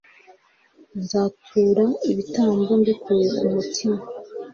nzagutura ibitambo mbikuye ku mutima